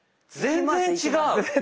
全然違う！